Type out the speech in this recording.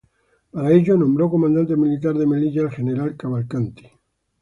Para ello, nombró Comandante Militar de Melilla al general Cavalcanti.